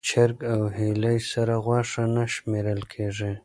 چرګ او هیلۍ سره غوښه نه شمېرل کېږي.